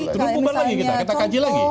terubah lagi kita kita kanji lagi